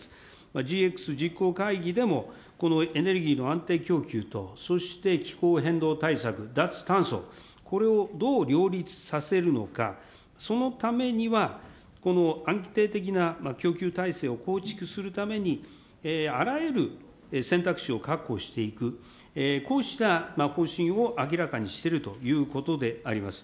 ＧＸ実行会議でも、このエネルギーの安定供給と、そして気候変動対策、脱炭素、これをどう両立させるのか、そのためには、この安定的な供給体制を構築するために、あらゆる選択肢を確保していく、こうした方針を明らかにしているということであります。